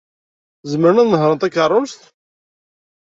Zemren ad nehṛen takeṛṛust?